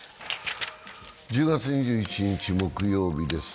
１０月２１日木曜日です。